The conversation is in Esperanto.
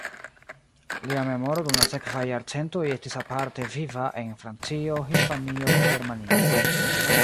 Lia memoro dum la sekvaj jarcentoj estis aparte viva en Francio, Hispanio kaj Germanio.